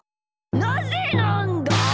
なぜなんだ！？